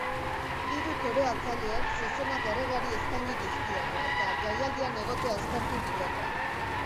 Hiru toreatzaileek zezenak erregeari eskaini dizkiote eta jaialdian egotea eskertu diote.